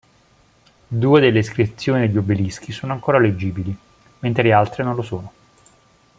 Due delle iscrizioni degli obelischi sono ancora leggibili, mentre le altre non lo sono.